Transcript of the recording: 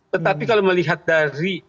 tetapi kalau melihat dari